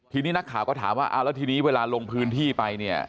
ทีนี้นักข่าวก็ถามว่าเอาแล้วทีนี้เวลาลงพื้นที่ไปเนี่ย